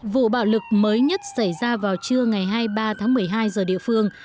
vụ bạo lực mới nhất xảy ra vào trưa ngày hai mươi ba tháng một mươi hai giờ địa phương